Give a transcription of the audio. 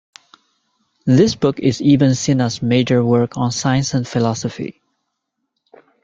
This book is Ibn Sina's major work on science and philosophy.